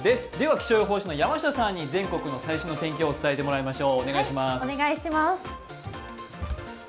気象予報士の山下さんに全国の最新の天気をお伝えしてもらいましょう。